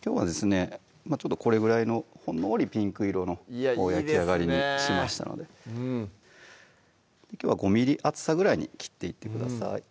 きょうはですねこれぐらいのほんのりピンク色の焼き上がりにしましたのできょうは５ｍｍ厚さぐらいに切っていってください